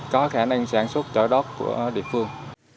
có khả năng sản xuất trở đốt của địa phương